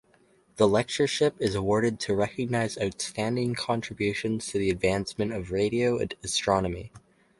The Lectureship is awarded to recognize outstanding contributions to the advancement of radio astronomy.